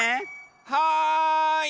はい！